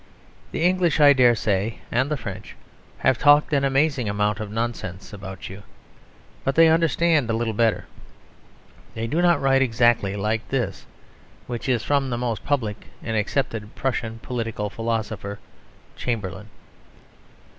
The English, I dare say, and the French, have talked an amazing amount of nonsense about you; but they understand a little better. They do not write exactly like this, which is from the most public and accepted Prussian political philosopher (Chamberlain).